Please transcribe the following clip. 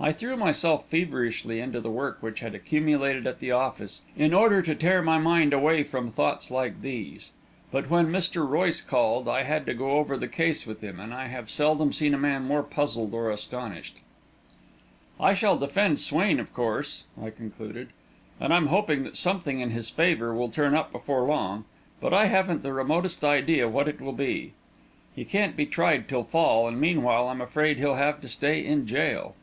I threw myself feverishly into the work which had accumulated at the office, in order to tear my mind away from thoughts like these; but when Mr. Royce arrived, I had to go over the case with him, and I have seldom seen a man more puzzled or astonished. "I shall defend Swain, of course," I concluded, "and I'm hoping that something in his favour will turn up before long, but I haven't the remotest idea what it will be. He can't be tried till fall, and meanwhile I'm afraid he'll have to stay in jail."